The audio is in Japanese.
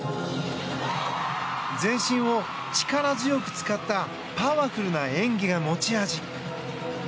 全身を力強く使ったパワフルな演技が持ち味。